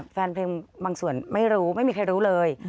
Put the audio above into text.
แฟนเพลงบางส่วนไม่รู้ไม่มีใครรู้เลย